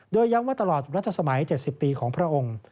โดยย้ำว่าตลอดรัชสมัย๗๐ปีของพระองค์